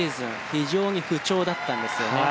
非常に不調だったんですよね。